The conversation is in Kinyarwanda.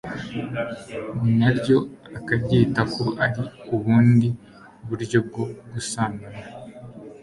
na ryo akaryita ko ari ubundi buryo bwo gusambana